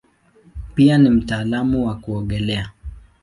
Pia ni mtaalamu wa kuogelea.